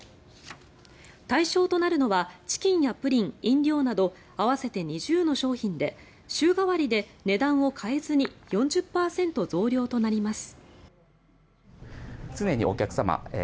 対象となるのはチキンやプリン、飲料など合わせて２０の商品で週替わりで値段を変えずに４０％増量となります。